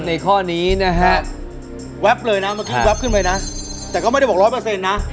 ข้อนี้นะฮะแว๊บเลยนะเมื่อกี้แป๊บขึ้นไปนะแต่ก็ไม่ได้บอกร้อยเปอร์เซ็นต์นะ